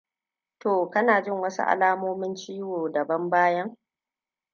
to kana jin wasu alamomi ciwo daban-bayan